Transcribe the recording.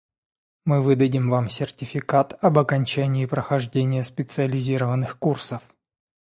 Мы выдадим вам сертификат об окончании прохождения специализированных курсов.